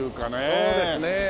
そうですねえ。